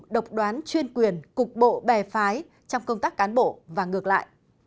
độc đoán chuyên quyền cục bộ bè phái trong công tác cán bộ và ngược lại